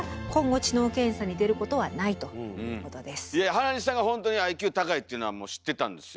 原西さんが本当にＩＱ高いっていうのはもう知ってたんですよ。